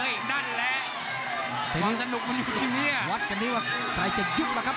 นั่นแหละทีมสนุกมันอยู่ที่เนี้ยวัดกันที่ว่าใครจะยุบล่ะครับ